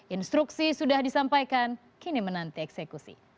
instruksi sudah disampaikan kini menanti eksekusi